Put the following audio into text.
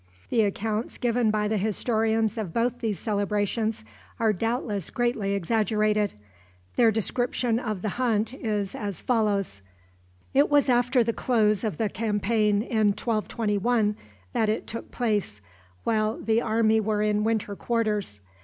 The accounts given by the historians of both these celebrations are doubtless greatly exaggerated. Their description of the hunt is as follows: It was after the close of the campaign in 1221 that it took place, while the army were in winter quarters.